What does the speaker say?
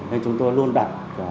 nên chúng tôi luôn đặt